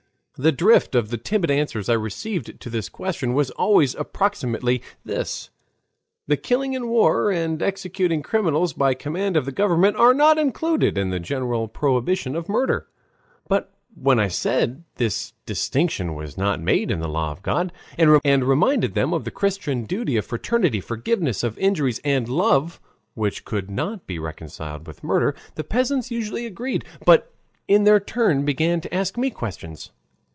The drift of the timid answers I received to this question was always approximately this: that killing in war and executing criminals by command of the government are not included in the general prohibition of murder. But when I said this distinction was not made in the law of God, and reminded them of the Christian duty of fraternity, forgiveness of injuries, and love, which could not be reconciled with murder, the peasants usually agreed, but in their turn began to ask me questions.